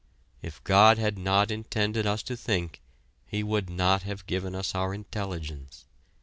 If God had not intended us to think, he would not have given us our intelligence.